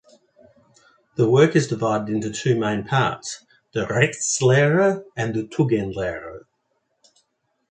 The work is divided into two main parts, the "Rechtslehre" and the "Tugendlehre".